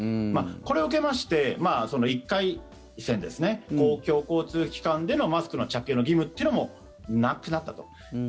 これを受けまして１回、公共交通機関でのマスクの着用の義務というのもなくなったと。